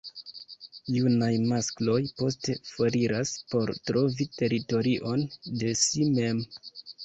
Junaj maskloj poste foriras por trovi teritorion de si mem.